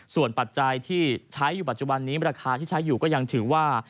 ส่วนปัจจัยที่ใช้อยู่ปัจจุบันนี้ราคาที่ใช้อยู่ก็ยังถือว่า